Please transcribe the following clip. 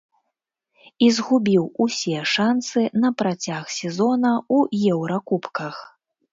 І згубіў усе шансы на працяг сезона ў еўракубках.